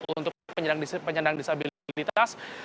untuk penyandang disabilitas